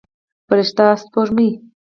فرشته سپوږمۍ